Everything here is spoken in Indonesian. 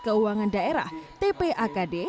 keuangan daerah tp akad